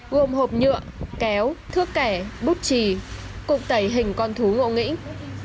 gồm hộp nhựa kéo thước kẻ bút trì cục tẩy hình con thú ngộ nghĩnh